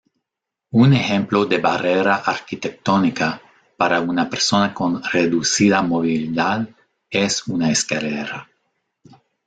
Un ejemplo de barrera arquitectónica para una persona con reducida movilidad es una escalera.